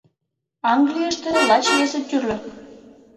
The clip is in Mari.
Английыште лач вес тӱрлӧ.